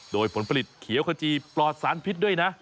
โดยผลผลิตเขียวขจีปลอดสารพิษด้วยนะ